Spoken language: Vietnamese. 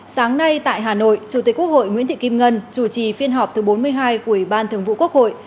sáng nay tại hà nội chủ tịch quốc hội nguyễn thị kim ngân chủ trì phiên họp thứ bốn mươi hai của ủy ban thường vụ quốc hội